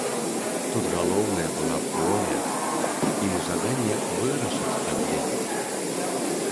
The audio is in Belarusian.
Тут галоўнае была б воля і жаданне вырашыць праблему.